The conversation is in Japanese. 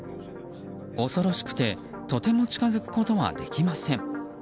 恐ろしくてとても近づくとはできません。